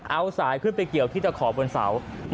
เอาสายขึ้นไปเกี่ยวที่ตะขอบบนเสา